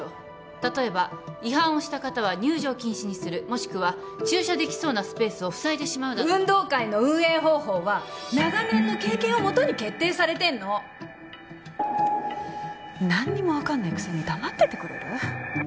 例えば違反をした方は入場禁止にするもしくは駐車できそうなスペースをふさいでしまうなど運動会の運営方法は長年の経験をもとに決定されてんの何にも分かんないくせに黙っててくれる？